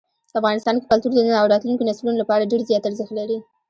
افغانستان کې کلتور د نن او راتلونکي نسلونو لپاره ډېر زیات ارزښت لري.